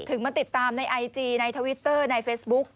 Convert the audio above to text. มาติดตามในไอจีในทวิตเตอร์ในเฟซบุ๊ก